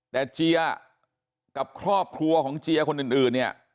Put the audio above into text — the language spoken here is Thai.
แต่เจียกับครอบครัวของเจียคนอื่นเนี่ย